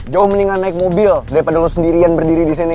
jauh mendingan naik mobil daripada lo sendirian berdiri disini